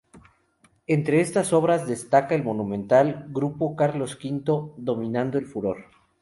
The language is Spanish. Entre estas obras, destaca el monumental grupo "Carlos V dominando el Furor".